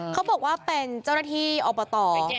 เขาบอกว่าเป็นเจ้าหน้าที่อบต